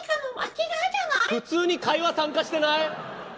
普通に会話参加してない？